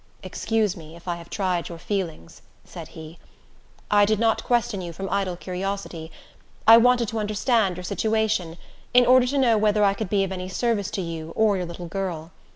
"Excuse me, if I have tried your feelings," said he. "I did not question you from idle curiosity. I wanted to understand your situation, in order to know whether I could be of any service to you, or your little girl.